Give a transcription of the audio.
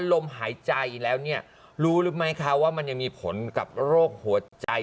ลมหายใจแล้วเนี่ยรู้รู้ไหมคะว่ามันยังมีผลกับโรคหัวใจ